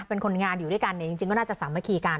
เป็นคนงานอยู่ด้วยกันเนี่ยจริงก็น่าจะสามัคคีกัน